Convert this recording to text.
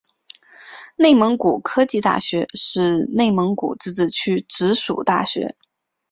内蒙古科技大学是内蒙古自治区直属大学。